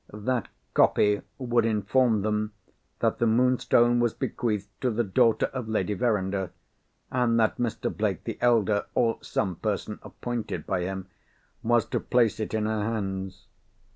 That copy would inform them that the Moonstone was bequeathed to the daughter of Lady Verinder, and that Mr. Blake the elder, or some person appointed by him, was to place it in her hands.